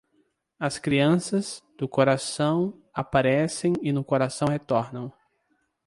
As crianças, do coração, aparecem e no coração retornam.